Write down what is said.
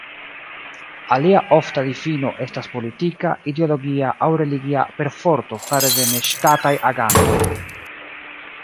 Alia ofta difino estas politika, ideologia aŭ religia perforto fare de ne-ŝtataj agantoj.